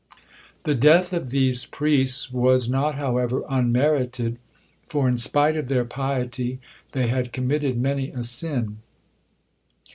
The death of these priests was not, however, unmerited, for in spite of their piety they had committed many a sin.